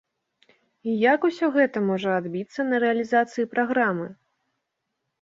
І як усё гэта можа адбіцца на рэалізацыі праграмы?